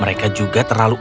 mereka juga terlalu kecil